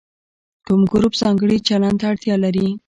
کوم ګروپ ځانګړي چلند ته اړتیا لري.